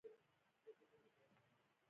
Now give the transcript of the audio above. زموږ بل رهبر په دنیا کې مه شې.